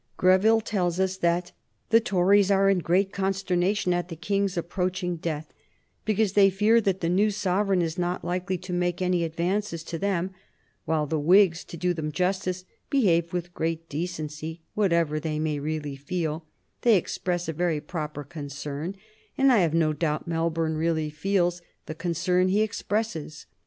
Greville tells us that "the Tories are in great consternation at the King's approaching death," because they fear that the new sovereign is not likely to make any advances to them, while "the Whigs, to do them justice, behave with great decency; whatever they may really feel, they express a very proper concern, and I have no doubt Melbourne really feels the concern he expresses."